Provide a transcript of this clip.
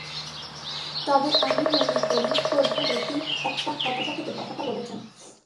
তবে আমি মনে করি, প্রধান বিচারপতি একটা হতাশা থেকে কথাটা বলেছেন।